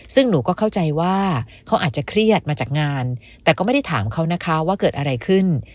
ซึ่งหนูก็เข้าใจว่าเขาอาจจะเครียดมาจากงานแต่ก็ไม่ได้ถามเขานะคะว่าเกิดอะไรขึ้น